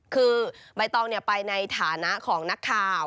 คือใบตองไปในฐานะของนักข่าว